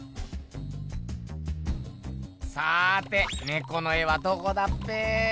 さて猫の絵はどこだっぺ。